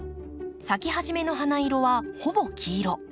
咲き始めの花色はほぼ黄色。